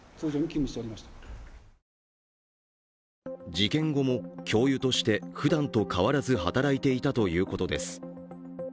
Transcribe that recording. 事件後も教諭として、ふだんと変わらず働いていたということです。